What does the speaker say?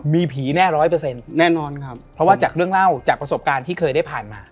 ไม่ได้เผื่อว่าจะไม่มี